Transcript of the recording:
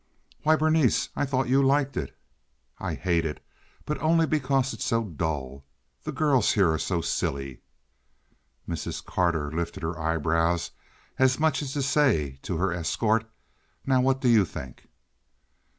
"Why, Berenice! I thought you liked it." "I hate it, but only because it's so dull. The girls here are so silly." Mrs. Carter lifted her eyebrows as much as to say to her escort, "Now what do you think?"